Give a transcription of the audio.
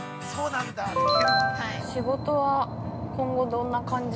◆仕事は、今後どんな感じ？